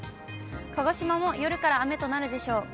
鹿児島も夜から雨となるでしょう。